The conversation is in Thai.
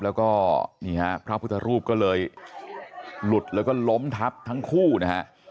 แล้วก็นี่ฮะพระพุทธรูปก็เลยหลุดแล้วก็ล้มทับทั้งคู่นะฮะ